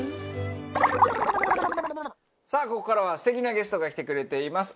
さあここからは素敵なゲストが来てくれています。